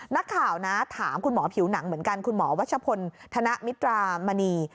นักข่าวนะถามคุณหมอผิวหนังเหมือนกันคุณหมอวัชพลธนมิตรามณี